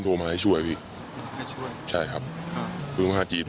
ก็ยงเด็กกว่าปลื้มนะสิ